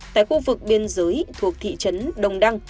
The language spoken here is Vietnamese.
tại khu vực biên giới thuộc thị trấn đồng đăng